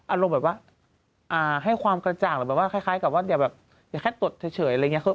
อารมณ์แบบว่าให้ความกระจ่างหรือแบบว่าคล้ายกับว่าอย่าแบบอย่าแค่ตรวจเฉยอะไรอย่างนี้